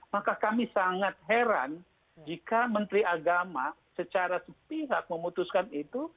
maka kami sangat heran jika menteri agama secara sepihak memutuskan itu